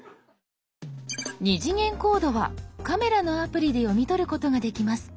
２次元コードはカメラのアプリで読み取ることができます。